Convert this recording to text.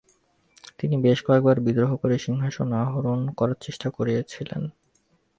তিনি বেশ কয়েকবার বিদ্রোহ করে সিংহাসনে আরোহণ করার চেষ্টা করেছিলেন।